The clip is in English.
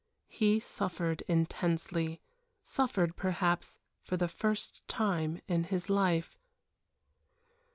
He suffered intensely. Suffered, perhaps, for the first time in his life.